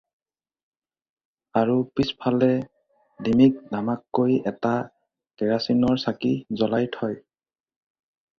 আৰু পিছফালে ধিমিক ধামাককৈ এটা কেৰাচিনৰ চাকি জ্বলাই থয়।